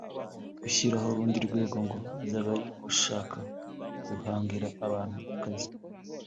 gushyiraho urundi rwego ngo byaba ari ugushaka guhangira abantu akazi